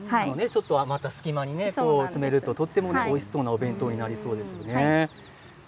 余った隙間に詰めるととてもおいしそうなお弁当になりそうですね。